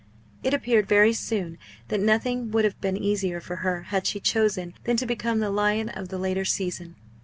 It appeared very soon that nothing would have been easier for her had she chosen than to become the lion of the later season.